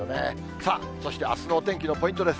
さあ、そしてあすのお天気のポイントです。